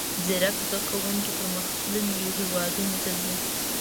زیرک زده کوونکي پرمختللیو هیوادونو ته ځي.